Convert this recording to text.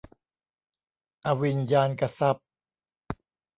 อวิญญาณกทรัพย์